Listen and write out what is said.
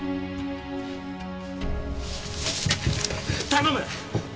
頼む！